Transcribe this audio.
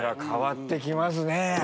変わってきますね。